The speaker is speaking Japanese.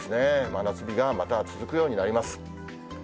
真夏日がまた続くようになります。